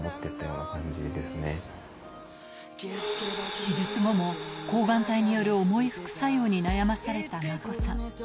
手術後も抗がん剤による重い副作用に悩まされた真子さん。